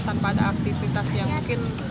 tanpa ada aktivitas yang mungkin